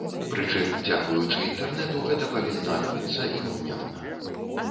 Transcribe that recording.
Прычым, дзякуючы інтэрнэту, гэта павінна адбыцца імгненна.